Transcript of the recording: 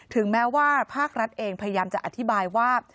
ถึงแม้ว่าภาครัฐเองพยายามจะอธิบายว่า